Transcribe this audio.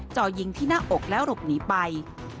จ่อยิงที่หน้าอกแล้วหลบหนีไป